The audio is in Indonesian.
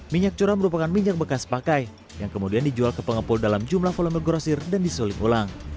minyak curah merupakan minyak bekas pakai yang kemudian dijual ke pengepul dalam jumlah volume grosir dan disulit ulang